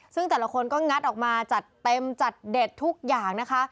ซึ่งแต่ละคนก็งัดออกมาจัดเต็มจัดเด็ดทุกอย่างนะคะ